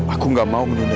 aku gak mau menunda